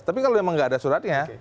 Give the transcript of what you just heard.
tapi kalau memang tidak ada suratnya